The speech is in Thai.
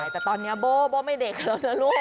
แต่ตอนนี้โบ้ไม่เด็กแล้วนะลูก